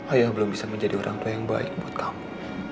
ayah belum bisa menjadi orang tua yang baik buat kamu